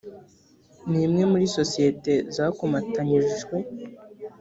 n imwe muri sosiyete zakomatanyirijwe